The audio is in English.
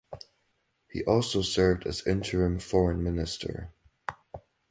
He also served as interim Foreign Minister.